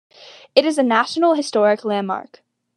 It is a National Historic Landmark.